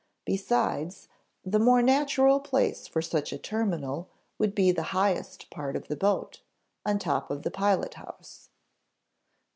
Besides, the more natural place for such a terminal would be the highest part of the boat, on top of the pilot house.